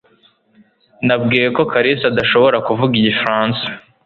Nabwiwe ko Kalisa adashobora kuvuga igifaransa